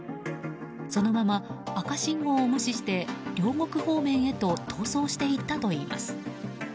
そのまま赤信号を無視して両国方面へと逃走していったといいます。